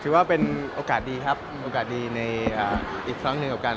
ถือว่าเป็นโอกาสดีครับโอกาสดีในอีกครั้งหนึ่งกับการ